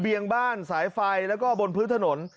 ียงบ้านสายไฟแล้วก็บนพื้นถนน